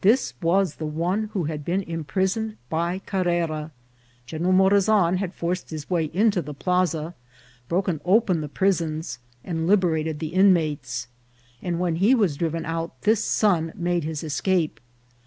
This was the one who had been imprisoned by Carrera. General Morazan had forced his way into the plaza, broken open the prisons, and liberated the inmates ; and when he was driven out this son made his escape.